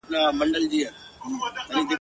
دلته مه راځۍ ښکاري تړلی لام دی !.